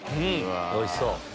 おいしそう。